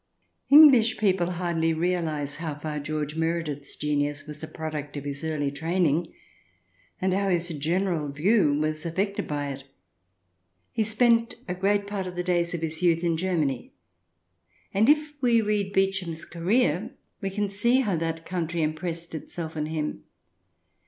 English people hardly realize how far George Meredith's genius was a product of his early training, and how his general view was affected by it. He spent a great part of the days of his youth in Germany, and if we read " Beauchamp's Career " 44 THE DESIRABLE ALIEN [ch. hi we can see how that country impressed itself on him.